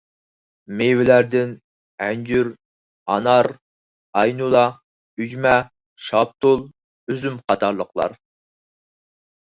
مېۋىلەردىن ئەنجۈر، ئانار، ئەينۇلا، ئۈجمە، شاپتۇل، ئۈزۈم قاتارلىقلار.